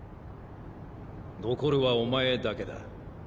残るはお前だけだ。